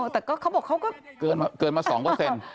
อ๋อแต่ก็เขาบอกเขาก็เกินมาเกินมาสองเปอร์เซ็นต์